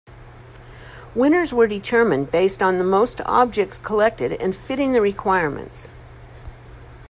Winners were determined based on the most objects collected and fitting the requirements.